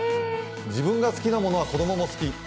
自分が好きなものは子供も好き？